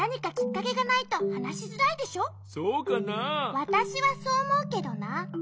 わたしはそうおもうけどな。